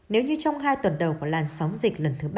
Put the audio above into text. nếu như trong hai tuần đầu của làn sóng dịch lần thứ ba